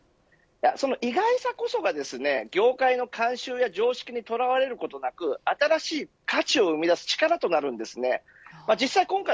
その意外さこそが、業界の慣習や常識に捉われることなく新しい価値を生み出す力となるんです。